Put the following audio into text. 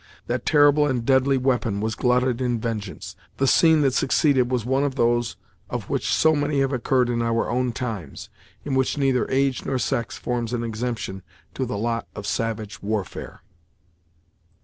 That terrible and deadly weapon was glutted in vengeance. The scene that succeeded was one of those of which so many have occurred in our own times, in which neither age nor sex forms an exemption to the lot of a savage warfare.